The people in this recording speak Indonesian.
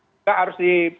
tidak harus di